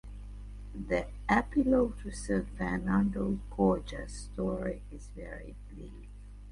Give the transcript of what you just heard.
The epilogue to Sir Ferdinando Gorges' story is very brief.